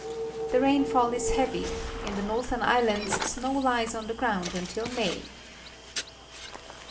The rainfall is heavJ^ In the northern islands snow lies on the ground until May.